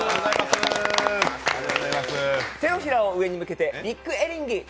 手のひらを上に向けてビッグエリンギ。